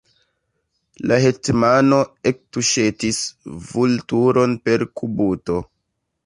La hetmano ektuŝetis Vulturon per kubuto.